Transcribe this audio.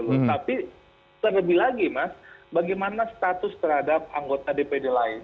tetapi terlebih lagi mas bagaimana status terhadap anggota dpd lain